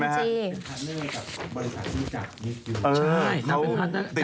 มีการเรียนเรื่องกับบริษัทที่มีการอยู่